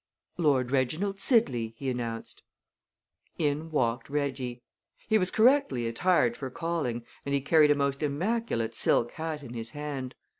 "Lord Reginald Sidley!" he announced. In walked Reggie. He was correctly attired for calling and he carried a most immaculate silk hat in his hand.